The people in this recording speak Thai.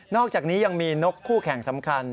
อกจากนี้ยังมีนกคู่แข่งสำคัญ